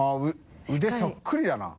◆舛腕そっくりだな。